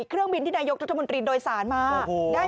เครื่องบินที่นายกรัฐมนตรีโดยสารมา